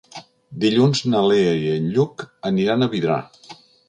Dilluns na Lea i en Lluc aniran a Vidrà.